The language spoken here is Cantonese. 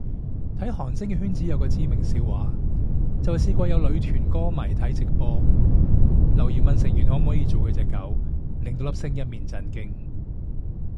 睇韓星嘅圈子有個知名笑話，就係試過有女團歌迷睇直播，留言問成員可唔可以做佢隻狗，令到粒星一面震驚